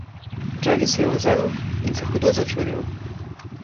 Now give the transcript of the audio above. Jerry se je ozrl in se hudo začudil.